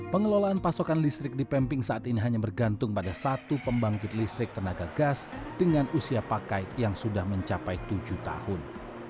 pengelolaan pasokan listrik di pemping saat ini hanya bergantung pada satu pembangkit listrik tenaga gas dengan usia pakai yang sudah mencapai tujuh tahun